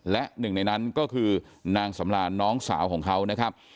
และหนึ่งในนั้นก็คือนางสำรานน้องสาวของเขานะครับ